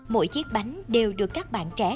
mỗi chiếc bánh đều được các bạn trẻ